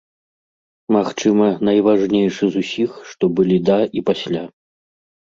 Магчыма, найважнейшы з усіх, што былі да і пасля.